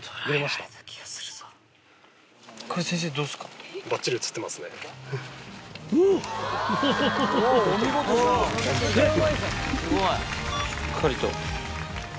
しっかりと。